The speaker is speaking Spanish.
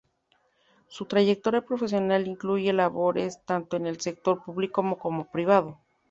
Su trayectoria profesional incluye labores tanto en el sector público como privado.